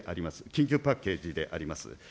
緊急パッケージであります。